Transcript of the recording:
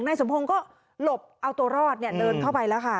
นายสมพงศ์ก็หลบเอาตัวรอดเนี่ยเดินเข้าไปแล้วค่ะ